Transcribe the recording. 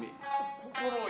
心得。